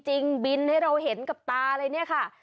บินให้เราเห็นกับตาเลยเนี่ยค่ะ